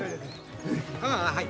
ああはい。